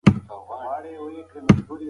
د غره په لمنه کې مړ مړ لوګی د ژوند نښه وه.